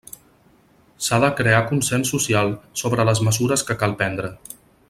S'ha de crear consens social sobre les mesures que cal prendre.